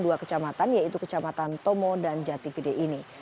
dua kecamatan yaitu kecamatan tomo dan jati gede ini